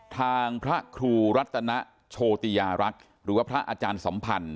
ทางพระครูรัตนโชติยารักษ์หรือว่าพระอาจารย์สัมพันธ์